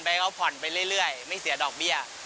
เขาผ่อนไปเรื่อยไม่เสียดอกเบี้ย